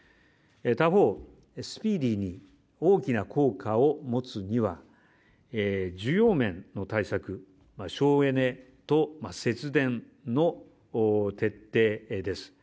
他方、スピーディーに、大きな効果を持つには、需要面の対策、省エネと節電の徹底です。